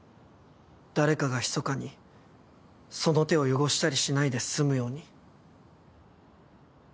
誰かがひそかにその手を汚したりしないで済むように。